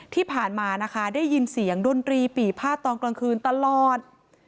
ที่ผ่านมานะคะได้ยินเสียงดนตรีปี่พาดตอนกลางคืนตลอด